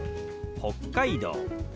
「北海道」。